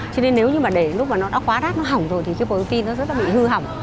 cho nên nếu như mà để lúc mà nó đã quá đắt nó hỏng rồi thì cái protein nó sẽ bị hư hỏng